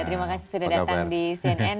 terima kasih sudah datang di cnn